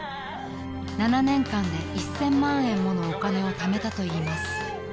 ［７年間で１，０００万円ものお金をためたと言います］